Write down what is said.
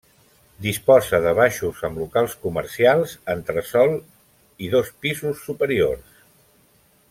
Disposa de baixos amb locals comercials, entresòl i dos pisos superiors.